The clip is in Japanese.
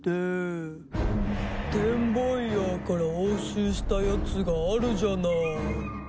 転売ヤーから押収したやつがあるじゃない。